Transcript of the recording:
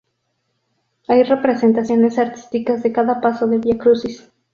Hay representaciones artísticas de cada paso del viacrucis.